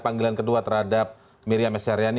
panggilan kedua terhadap miriam esyaryani